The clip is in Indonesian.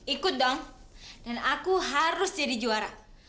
ikut dong dan aku harus jadi juara